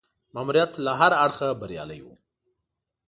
ماموریت له هره اړخه بریالی وو.